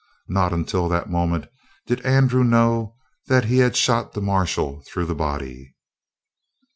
Not until that moment did Andrew know that he had shot the marshal through the body.